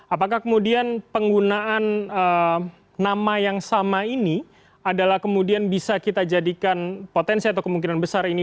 apakah kemudian penggunaan nama yang sama ini adalah kemudian bisa kita jadikan potensi atau kemungkinan besar ini